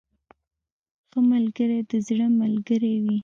• ښه ملګری د زړه ملګری وي.